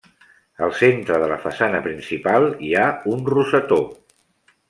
Al centre de la façana principal hi ha un rosetó.